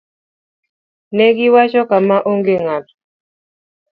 Ne giwacho kama: "Onge ng'ato